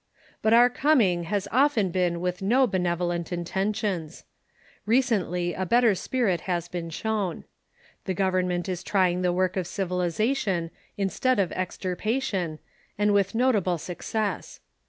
But our coming has often been Avith no benev olent intentions. Recently a better spirit has been shown. The government is trying the work of civilization instead of extirpation, and with notable success.